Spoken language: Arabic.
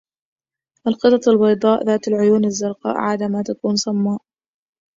القطط البيضاء ذات العيون الزرقاء عادة ما تكون صمّاء.